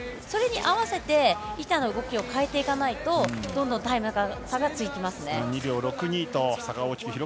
それに合わせて板の動きを変えていかないと、どんどんタイム差がつきますね。